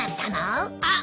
あっ！